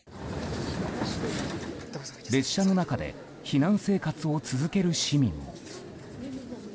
列車の中で避難生活を続ける市民も。